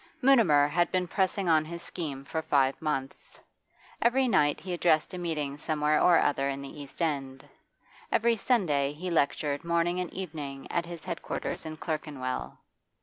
Mutimer had been pressing on his scheme for five months. Every night he addressed a meeting somewhere or other in the East End; every Sunday he lectured morning and evening at his head quarters in Clerkenwell.